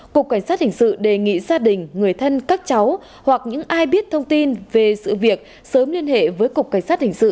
cục cảnh sát hình sự đề nghị gia đình người thân các cháu hoặc những ai biết thông tin về sự việc sớm liên hệ với cục cảnh sát hình sự